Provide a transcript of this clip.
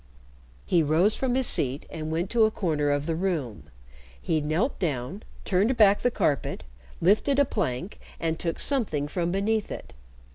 He rose from his seat and went to a corner of the room. He knelt down, turned back the carpet, lifted a plank, and took something from beneath it.